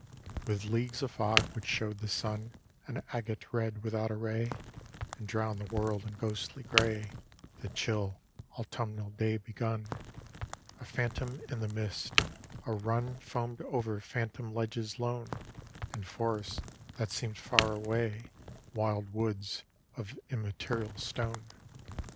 XXXVIII With leagues of fog, which showed the sun An agate red without a ray, And drowned the world in ghostly gray, The chill, autumnal day begun: A phantom in the mist, a run Foamed over phantom ledges lone In forests that seemed far away, Wild woods of immaterial stone.